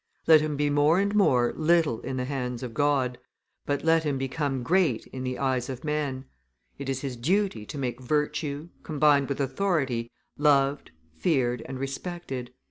Let him be more and more little in the hands of God, but let him become great in the eyes of men; it is his duty to make virtue, combined with authority, loved, feared, and respected."